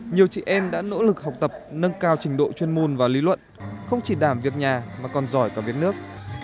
nhiều chị em đã nỗ lực học tập nâng cao trình độ chuyên môn và lý luận không chỉ đảm việc nhà mà còn giỏi cả việc nước